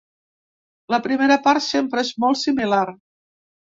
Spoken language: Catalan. La primera part sempre és molt similar.